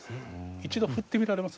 一度振ってみられます？